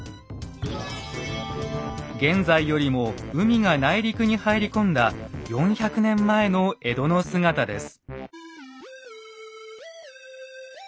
現在よりも海が内陸に入り込んだ４００年前の江戸の姿です。